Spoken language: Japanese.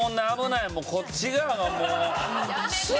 こっち側がもう。